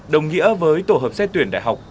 đồng nghĩa với tổ hợp xét tuyển đại học